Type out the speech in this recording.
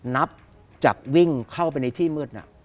นับจากวิ่งเข้าไปในที่มืด